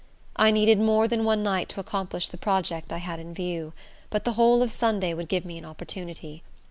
I needed more than one night to accomplish the project I had in view; but the whole of Sunday would give me an opportunity.